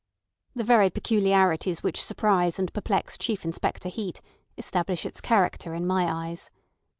The very peculiarities which surprise and perplex Chief Inspector Heat establish its character in my eyes.